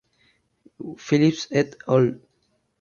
Phillips et al.